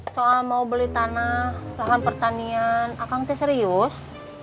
soal mau beli tanah lahan pertanian akan kita serius